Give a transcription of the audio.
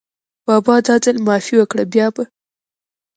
بابا دا ځل معافي وکړه، بیا به …